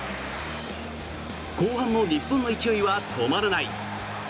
後半も日本の勢いは止まらない。